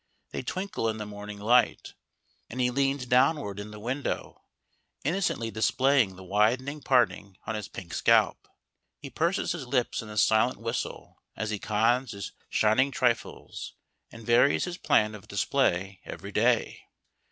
They twinkle in the morning light, and he leans downward in the window, innocently displaying the widening parting on his pink scalp. He purses his lips in a silent whistle as he cons his shining trifles and varies his plan of display every day.